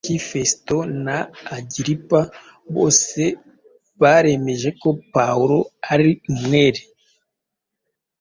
Lisiya, Feliki, Fesito na Agiripa bose bari baremeje ko Pawulo ari umwere.